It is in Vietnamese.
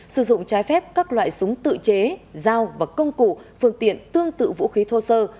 sử dụng trái phép các loại súng tự chế dao và công cụ phương tiện tương tự vũ khí thô sơ